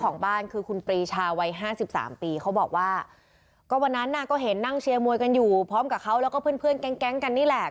ของบ้านคือคุณปรีชาวัยห้าสิบสามปีเขาบอกว่าก็วันนั้นน่ะก็เห็นนั่งเชียร์มวยกันอยู่พร้อมกับเขาแล้วก็เพื่อนเพื่อนแก๊งแก๊งกันนี่แหละ